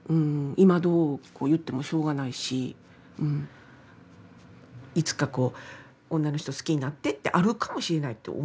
今どうこう言ってもしょうがないしいつかこう女の人好きになってってあるかもしれないと思ってるんですよね。